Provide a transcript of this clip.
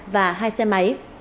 và hai xe máy